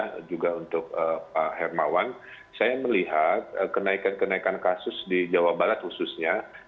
nah juga untuk pak hermawan saya melihat kenaikan kenaikan kasus di jawa barat khususnya